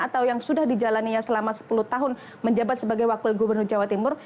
atau yang sudah dijalannya selama sepuluh tahun menjabat sebagai wakil gubernur jawa timur